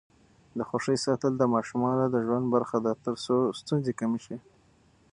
د خوښۍ ساتل د ماشومانو د ژوند برخه ده ترڅو ستونزې کمې شي.